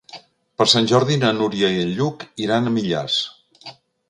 Per Sant Jordi na Núria i en Lluc iran a Millars.